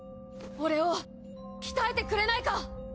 俺を鍛えてくれないか？